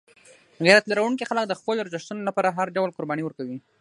غیرت لرونکي خلک د خپلو ارزښتونو لپاره هر ډول قرباني ورکوي.